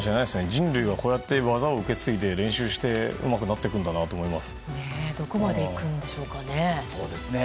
人類はこうして技を受け継ぎ練習してうまくなっていくんだなとどこまでいくんでしょうかね。